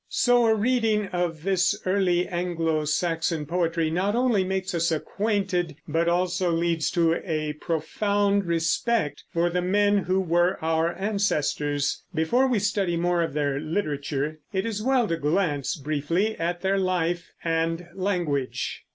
So a reading of this early Anglo Saxon poetry not only makes us acquainted, but also leads to a profound respect for the men who were our ancestors. Before we study more of their literature it is well to glance briefly at their life and language.